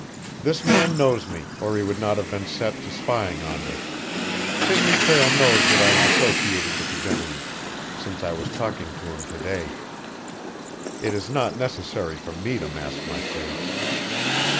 "This man knows me, or he would not have been set to spying on me. Sidney Prale knows that I am associated with his enemies, since I was talking to him to day. It is not necessary for me to mask my face!"